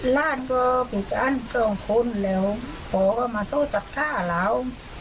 ร่านก็ผิดการตรงคนแล้วขอก็มาโทษจัดข้าว